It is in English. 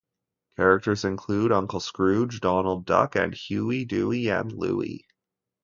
Characters include Uncle Scrooge, Donald Duck, and Huey, Dewey, and Louie.